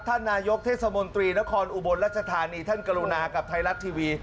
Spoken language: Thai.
ท่านนายกเทศมนตรีนครอุบลรัชธานีท่านกรุณากับไทยรัฐทีวี